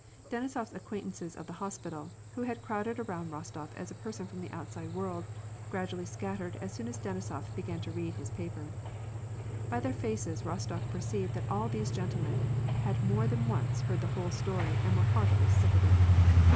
Deni sofs acquaintances of the hospital, who had crowded around Rostof as a person from the outside world, gradually scattered as soon as Denisof began to read his paper. 6y their faces, Ros tof perceived that all these gentlemen had more than once heard the whole story and were heartily sick of it.